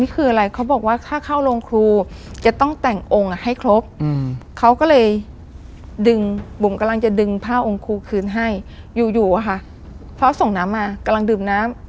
เขาก็เลยดึงบุมกำลังจะดึงผ้าองคู่คืนให้อยู่ค่ะเขาส่งน้ำมากำลังดืมน้ำ